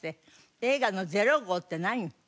映画の０号って何？